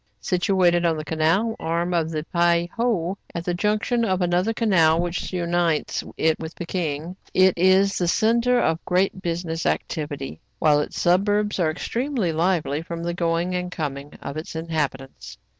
Situated on the canal arm of the Pei ho, at the junction of another canal which unites it with Pekin, it is the centre of great business activity, while its suburbs are extremely lively from the going and coming of its inhabitants.